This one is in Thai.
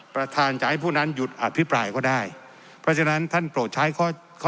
ประธานจะให้ผู้นั้นหยุดอภิปรายก็ได้เพราะฉะนั้นท่านโปรดใช้ข้อ